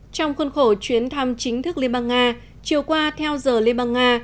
trong khuôn khổ chuyến thăm chính thức liên bang nga chiều qua theo giờ liên bang nga